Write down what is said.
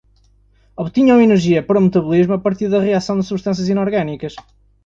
Obtinham energia para o metabolismo a partir da reação de substâncias inorgânicas